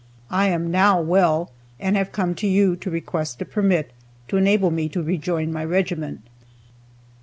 I am now well, and have come to you to request a permit to enable me to rejoin my regiment."